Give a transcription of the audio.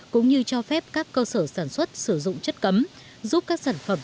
cũng như cho phép các cơ sở sản xuất sử dụng chất cấm